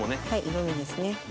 色みですね。